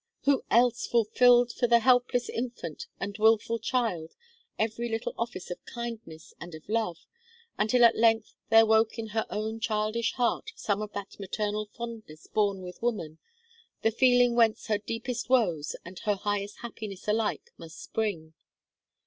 Who else fulfilled for the helpless infant and wilful child every little office of kindness and of love, until at length there woke in her own childish heart some of that maternal fondness born with woman, the feeling whence her deepest woes and her highest happiness alike must spring.